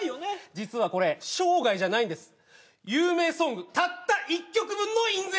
実はこれ生涯じゃないんです有名ソングたった１曲分の印税！